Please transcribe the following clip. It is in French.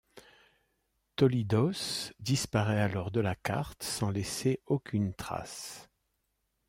Tolidos disparait alors de la carte sans laisser aucune trace.